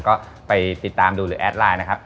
ก็ไปติดตามดูหรือแอดไลน์นะครับ